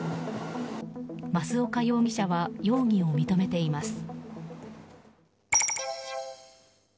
増岡容疑者は容疑を認めています。